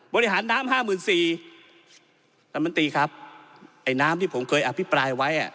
บริหารน้ำห้าหมื่นสี่ท่านมนตรีครับไอ้น้ำที่ผมเคยอภิปรายไว้อ่ะ